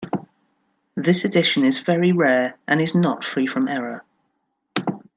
This edition is very rare, and is not free from error.